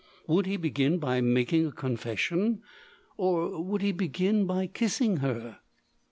Would he begin by making a confession? or would he begin by kissing her?